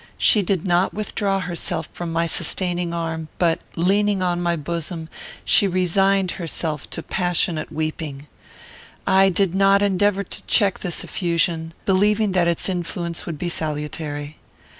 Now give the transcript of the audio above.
She did not withdraw herself from my sustaining arm, but, leaning on my bosom, she resigned herself to passionate weeping. I did not endeavour to check this effusion, believing that its influence would be salutary.